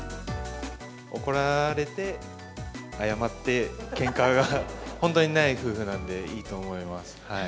怒られて、謝って、けんかが本当にない夫婦なんで、いいと思います。